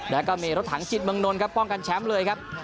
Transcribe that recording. แล้วก็มีรถถังจิตเมืองนนท์ครับป้องกันแชมป์เลยครับ